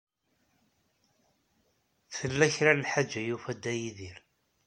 Tella kra n lḥaǧa i yufa Dda Yidir.